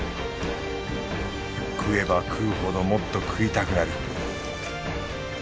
食えば食うほどもっと食いたくなる